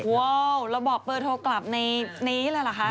ว้าวเราบอกเบอร์โทรกลับในนี้เลยเหรอคะ